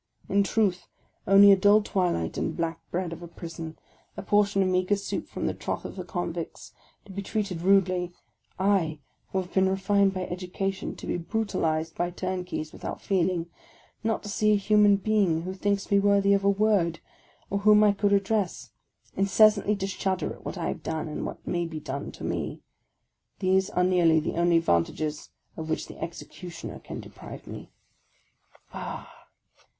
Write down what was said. In truth, only the dull twilight and black bread of a prison, a portion of meagre soup from the trough of the convicts; to be treated rudely, —/, who have been refined by education ; to be brutalized by turnkeys without feeling; not to see a human being who thinks me worthy of a word, or whom I could address ; incessantly to shudder at what I have done, and what may be done to me, — these are nearly the only advantages of which the executioner can deprive me! Ah!